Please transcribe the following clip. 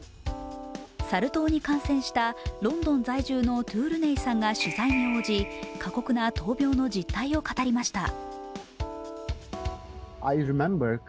サル痘に感染したロンドン在住のトゥルネイさんが取材に応じ過酷な闘病の実態を語りました。